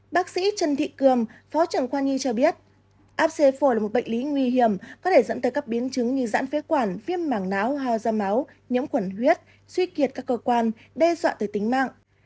bác sĩ trần thị cường phó trưởng khoa nhi cho biết áp c phổi là một bệnh lý nguy hiểm có thể dẫn tới các biến chứng như giãn phế quản viêm mảng não hao da máu nhiễm khuẩn huyết suy kiệt các cơ quan đe dọa tới tính mạng